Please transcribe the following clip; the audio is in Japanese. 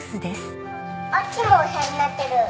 あっちもお部屋になってる。